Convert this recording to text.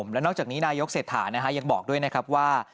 แล้วนอกจากนี้นายกเศรษฐายังบอกด้วยนะครับว่า